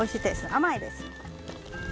甘いです。